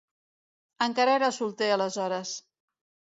Encara era solter aleshores.